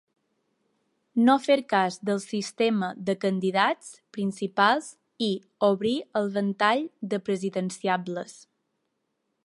No fer cas del sistema de candidats principals i obrir el ventall de presidenciables.